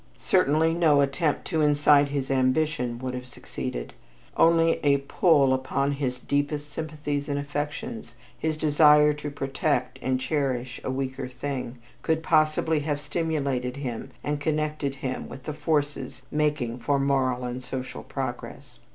Certainly no attempt to incite his ambition would have succeeded. Only a pull upon his deepest sympathies and affections, his desire to protect and cherish a weaker thing, could possibly have stimulated him and connected him with the forces making for moral and social progress.